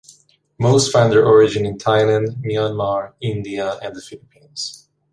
Most find their origin in Thailand, Myanmar, India and the Philippines.